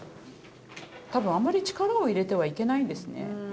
多分あまり力を入れてはいけないんですね。